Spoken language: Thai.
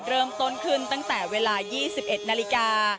เริ่มต้นขึ้นตั้งแต่เวลา๒๑นาฬิกา